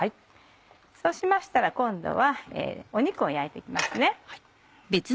そうしましたら今度は肉を焼いて行きます。